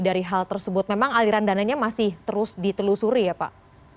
dari hal tersebut memang aliran dananya masih terus ditelusuri ya pak